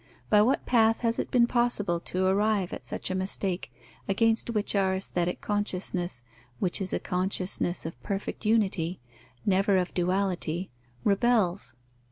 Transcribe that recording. By what path has it been possible to arrive at such a mistake, against which our aesthetic consciousness, which is a consciousness of perfect unity, never of duality, rebels?